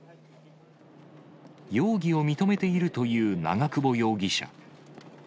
容疑を認めているという長久保容疑者。